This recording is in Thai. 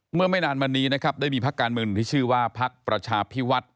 ไม่นานมานี้นะครับได้มีพักการเมืองที่ชื่อว่าพักประชาพิวัฒน์